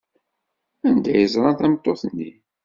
Anda ay ẓran tameṭṭut-nni?